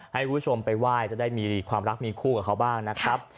ให้คุณผู้ชมไปไหว้จะได้มีความรักมีคู่กับเขาบ้างนะครับ